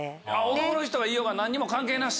男の人がいようが何にも関係なし？